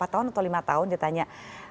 empat tahun atau lima tahun dia tanya